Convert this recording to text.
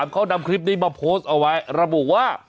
เขานำคลิปนี้มาโพสต์เอาไว้ระบุว่า